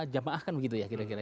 jamaah kan begitu ya kira kira